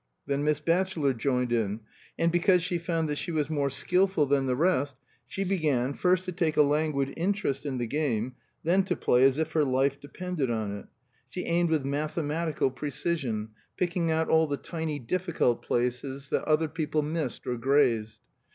Then Miss Batchelor joined in; and, because she found that she was more skillful than the rest, she began, first to take a languid interest in the game, then to play as if her life depended on it. She aimed with mathematical precision, picking out all the tiny difficult places that other people missed or grazed.